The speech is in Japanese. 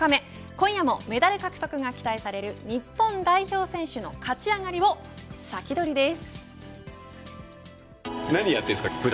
今夜もメダル獲得が期待される日本代表選手の勝ち上がりをサキドリです。